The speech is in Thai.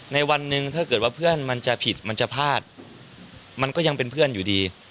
ในวันหนึ่งถ้าเกิดว่าเพื่อนมันจะผิดมันจะพลาดมันก็ยังเป็นเพื่อนอยู่ดี